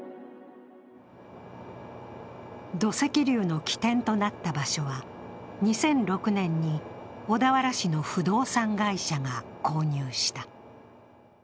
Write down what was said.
土石流の起点となった場所は２００６年に小田原市の不動産会社が購入した。